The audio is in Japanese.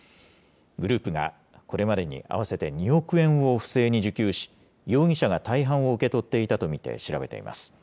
グループがこれまでに合わせて２億円を不正に受給し、容疑者が大半を受け取っていたと見て調べています。